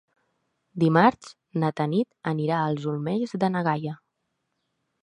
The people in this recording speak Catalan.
Dimarts na Tanit anirà als Omells de na Gaia.